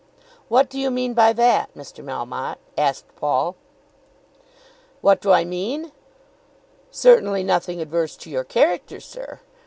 "What do you mean by that, Mr. Melmotte?" asked Paul. "What do I mean? Certainly nothing adverse to your character, sir.